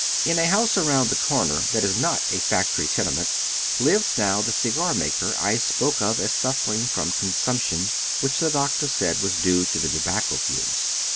In a house around the corner that is not a factory tene ment, lives now the cigarmaker I spoke of as suffering from consumption which the doctor said was due to the tobacco fumes.